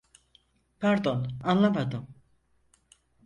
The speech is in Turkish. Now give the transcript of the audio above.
Pardon, anlamadım?